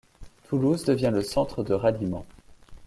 Toulouse devient le centre de ralliement.